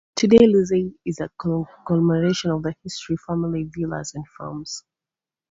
Today's Luzaide is a conglomeration of historical family villas and farms.